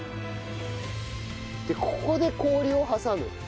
でここで氷を挟む。